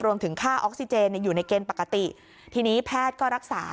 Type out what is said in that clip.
รวมถึงค่าออกซิเจนอยู่ในเกณฑ์ปกติทีนี้แพทย์ก็รักษา